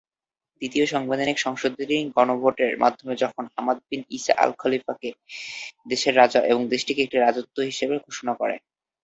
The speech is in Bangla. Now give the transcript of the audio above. দ্বিতীয়টি সাংবিধানিক সংশোধনী গণভোটের মাধ্যমে যখন "হামাদ বিন ঈসা আল খলিফা"-কে দেশের রাজা এবং দেশটিকে একটি রাজত্ব হিসেবে ঘোষণা করে।